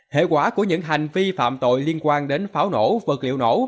hệ quả của những hành vi phạm tội liên quan đến pháo nổ vật liệu nổ